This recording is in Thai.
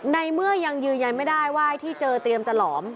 ในเมื่อยังยืนยันไม่ได้ว่าไอ้ที่เจอเตรียมจะหลอม